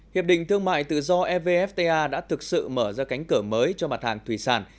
hiệp định thương mại tự do evfta đã thực sự mở ra cánh cửa mới cho mặt hàng thủy sản